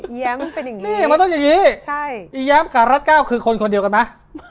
อีแย้มมันเป็นอย่างนี้อีแย้มกับรัสเก้าคือคนคนเดียวกันมั้ย